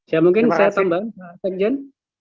ya mungkin saya tambah pak fengjen